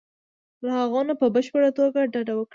له هغو نه په بشپړه توګه ډډه وکړي.